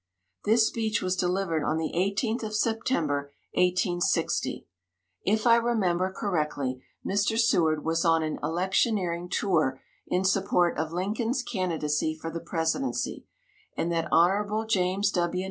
This speech was delivered on the 18th of September, 1860. If I remember correctly, Mr. Seward was on an electioneering tour in support of Lincoln's candidacy for the presidency, and that Hon. James W.